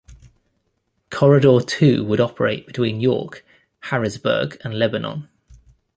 Corridor Two would operate between York, Harrisburg, and Lebanon.